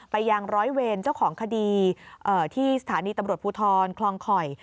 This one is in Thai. ไปยังร้อยเวรเจ้าของคดีที่สถานีตำรวจภูทรคลองข่อย